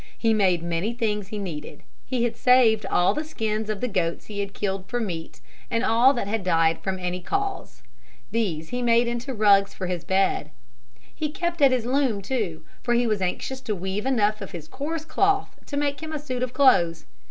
He made many things he needed. He had saved all the skins of the goats he had killed for meat and all that had died from any cause. These he made into rugs for his bed. He kept at his loom too, for he was anxious to weave enough of his coarse cloth to make him a suit of clothes.